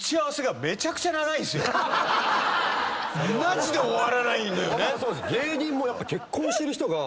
マジで終わらないのよね。